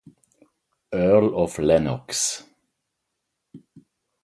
Earl of Lennox.